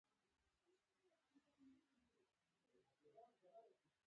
وزه مې په ځان باور لري.